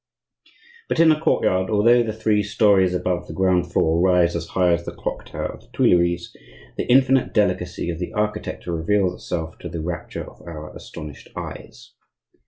But in the courtyard, although the three storeys above the ground floor rise as high as the clock tower of the Tuileries, the infinite delicacy of the architecture reveals itself to the rapture of our astonished eyes.